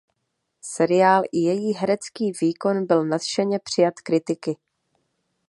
Seriál i její herecký výkon byl nadšeně přijat kritiky.